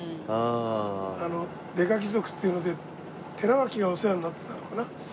『刑事貴族』っていうので寺脇がお世話になってたのかな？